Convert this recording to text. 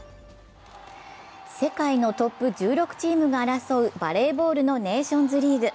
世界のトップ１６チームが争うバレーボールのネーションズリーグ。